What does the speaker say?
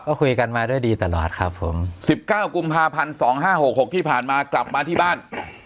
ก็คุยกันมาด้วยดีตลอดครับผม๑๙กุมภาพันธ์๒๕๖๖ที่ผ่านมากลับมาที่บ้าน